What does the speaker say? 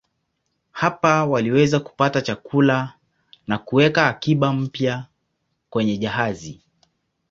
Hapa waliweza kupata chakula na kuweka akiba mpya kwenye jahazi.